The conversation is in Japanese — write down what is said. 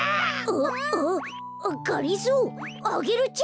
あっあっあっがりぞーアゲルちゃん！